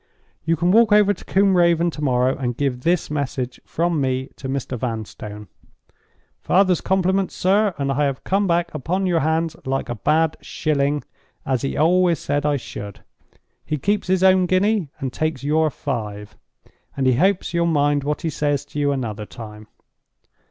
You can walk over to Combe Raven tomorrow and give this message from me to Mr. Vanstone: 'Father's compliments, sir, and I have come back upon your hands like a bad shilling, as he always said I should. He keeps his own guinea, and takes your five; and he hopes you'll mind what he says to you another time.